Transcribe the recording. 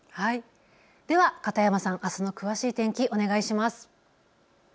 では片山さん、あすの詳しい天気、お願いします。